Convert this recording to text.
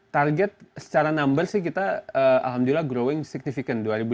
target secara number sih kita alhamdulillah growing significant